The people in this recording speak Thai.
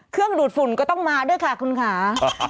เครื่องดูดฝุ่นก็ต้องมาด้วยค่ะคุณขา